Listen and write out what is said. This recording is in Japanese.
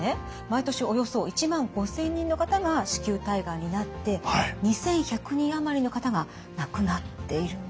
毎年およそ１万５，０００人の方が子宮体がんになって２，１００人余りの方が亡くなっているんです。